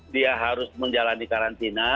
dia harus menjalani karantina